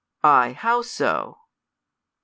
how so ?